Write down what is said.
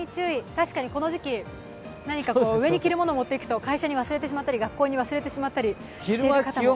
確かにこの時期、何か上に着るものを持っていくと会社に忘れてしまったり学校に忘れてしまったりする人も。